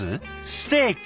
ステーキ。